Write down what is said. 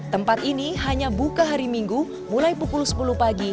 tempat ini hanya buka hari minggu mulai pukul sepuluh pagi